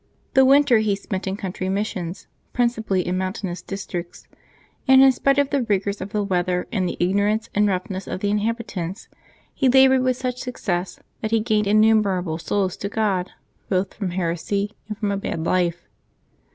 The winter he spent in country missions, principally in mountainous districts; and in spite of the rigor of the weather and the ignorance and roughness of the inhabi tants, he labored with such success that he gained in numerable souls to God both from heresy and from a bad life.